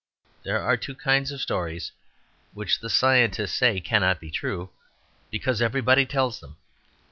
There are two kinds of stories which the scientists say cannot be true, because everybody tells them.